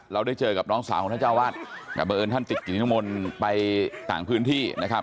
เราได้เจอกับน้องสาวของท่านเจ้าวาดแต่บังเอิญท่านติดกิจนิมนต์ไปต่างพื้นที่นะครับ